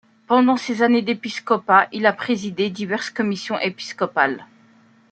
Pendant ses années d'épiscopat, il a présidé diverses commissions épiscopales.